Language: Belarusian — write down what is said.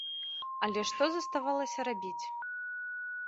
Але што заставалася рабіць?